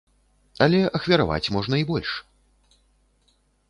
Але ахвяраваць можна і больш.